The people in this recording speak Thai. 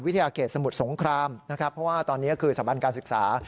ยาเขตสมุทรสงครามนะครับเพราะว่าตอนนี้คือสถาบันการศึกษา